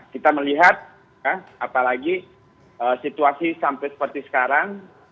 kita melihat apalagi situasi sampai seperti sekarang